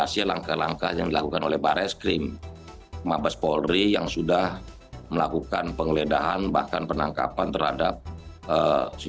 selamat sore pak menteri